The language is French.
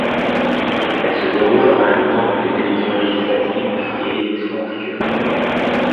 Elles se déroulent en même temps que les élections législatives et élections régionales.